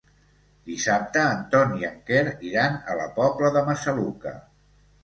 Dissabte en Ton i en Quer iran a la Pobla de Massaluca.